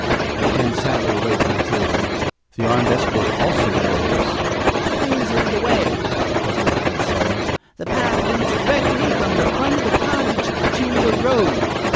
He turned sadly away from the table. The armed escort also arose. "Please lead the way," requested Aunt Sarah. "The path leads directly from the front of the cottage to the road."